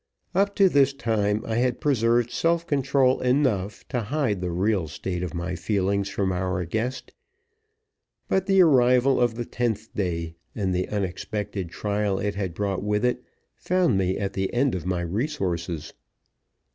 Up to this time I had preserved self control enough to hide the real state of my feelings from our guest; but the arrival of the tenth day, and the unexpected trial it had brought with it, found me at the end of my resources.